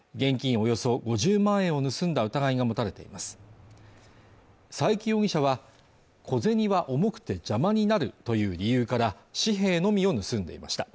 およそ５０万円を盗んだ疑いが持たれています佐伯容疑者は小銭は重くて邪魔になるという理由から紙幣のみを盗んでいました